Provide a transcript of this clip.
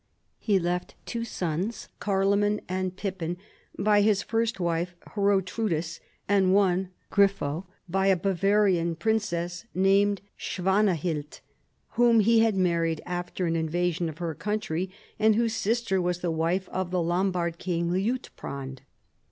lie left two sons, Carloman and Pippin, by his first wife Ilrotrudis, and one, Grifo, by a Bavarian princess named Swanahild, whom he had married after an invasion of her country, and whose sister was the wife of the Lombard king Liutprand.